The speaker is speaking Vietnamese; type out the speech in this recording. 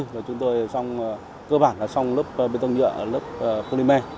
và chúng tôi cơ bản là xong lớp bê tông nhựa ở lớp polymer